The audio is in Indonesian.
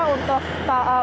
untuk kepadatan mulai terurai